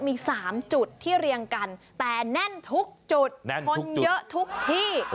มี๓จุดที่เรียงกันแต่แน่นทุกจุดคนเยอะทุกที่